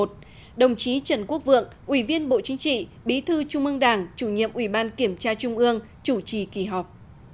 kỳ thứ một mươi một đồng chí trần quốc vượng ủy viên bộ chính trị bí thư trung ương đảng chủ nhiệm ủy ban kiểm tra trung ương chủ trì kỳ họp